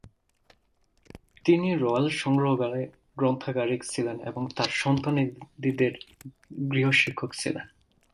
তিনি রয়্যাল সংগ্রহালয়ের গ্রন্থাগারিক ছিলেন এবং তাঁর সন্তানদের গৃহশিক্ষক ছিলেন।